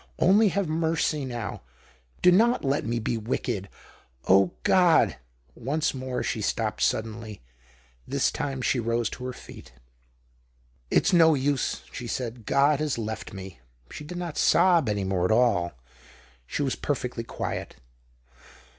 Only have mercy now I Do not let me be wicked I Oh, God !" Once more she stopped suddenly. This time she rose to her feet. " It's no use," she said. " God has left me !" She did not sob any more at all ; she was perfectly quiet.